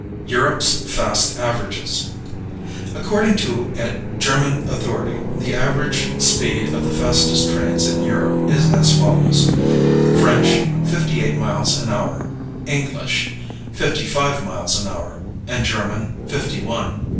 Europe's Fast Averages. According to a German authority, the average speed of the fastest trains in Europe is as follows: French, fifty eight miles an hour; English, fifty five miles an hour, and German, fifty one.